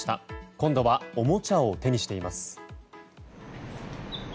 今度はおもちゃを手にしています。